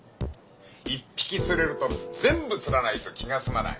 １匹釣れると全部釣らないと気が済まない。